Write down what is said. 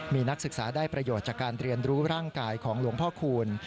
มีนักศึกษาได้ประโยชน์จากการเรียนรู้ร่างกายของหลวงพ่อคูณ